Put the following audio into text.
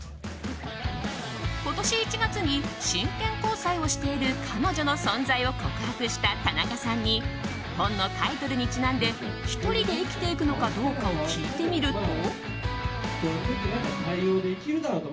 今年１月に真剣交際をしている彼女の存在を告白した田中さんに本のタイトルにちなんで１人で生きていくのかどうかを聞いてみると。